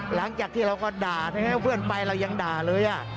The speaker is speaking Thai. หลังจากที่เราก็ด่าใช่ไหมเพื่อนไปเรายังด่าเลย